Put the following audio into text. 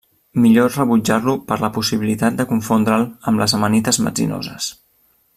Millor rebutjar-lo per la possibilitat de confondre'l amb les amanites metzinoses.